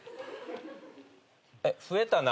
えっ増えたな。